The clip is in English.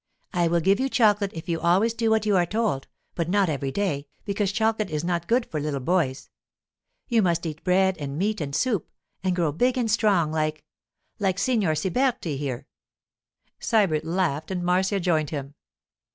'I will give you chocolate if you always do what you are told, but not every day, because chocolate is not good for little boys. You must eat bread and meat and soup, and grow big and strong like—like Signor Siberti here.' Sybert laughed and Marcia joined him.